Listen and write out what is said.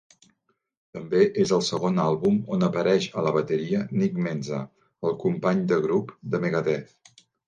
També és el segon àlbum on apareix a la bateria Nick Menza, el company de grup de Megadeth.